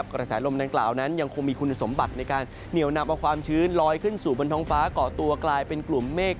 กระแสลมดังกล่าวนั้นยังคงมีคุณสมบัติในการเหนียวนำเอาความชื้นลอยขึ้นสู่บนท้องฟ้าก่อตัวกลายเป็นกลุ่มเมฆ